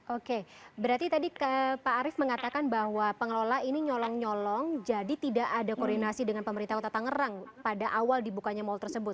oke berarti tadi pak arief mengatakan bahwa pengelola ini nyolong nyolong jadi tidak ada koordinasi dengan pemerintah kota tangerang pada awal dibukanya mal tersebut